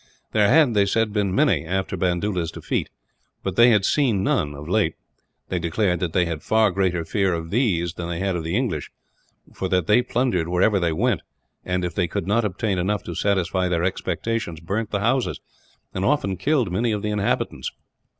There had, they said, been many, after Bandoola's defeat; but they had seen none, of late. They declared that they had far greater fear of these than they had of the English; for that they plundered wherever they went and, if they could not obtain enough to satisfy their expectations, burnt the houses, and often killed many of the inhabitants.